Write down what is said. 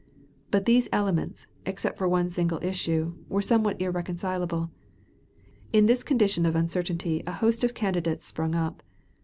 But these elements, except on one single issue, were somewhat irreconcilable. In this condition of uncertainty a host of candidates sprung up.